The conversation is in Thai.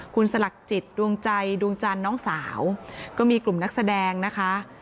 คุณสลักจิตดวงใจดวงจันทร์น้องสาวก็มีกลุ่มนักแสดงนะคะ